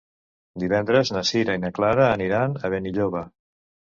Divendres na Sira i na Clara aniran a Benilloba.